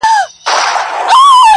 ستـا د سونډو رنگ_